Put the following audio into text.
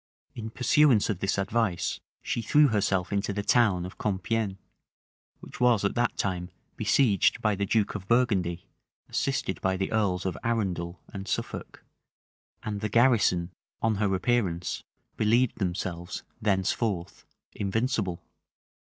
In pursuance of this advice, she threw herself into the town of Compiegne, which was at that time besieged by the duke of Burgundy, assisted by the earls of Arundel and Suffolk; and the garrison, on her appearance, believed themselves thenceforth invincible.